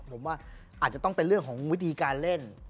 ผมว่าอาจจะต้องเป็นเรื่องของวิธีการเล่น